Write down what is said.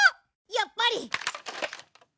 やっぱり！